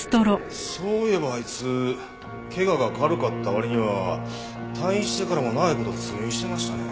そういえばあいつ怪我が軽かった割には退院してからも長い事通院してましたね。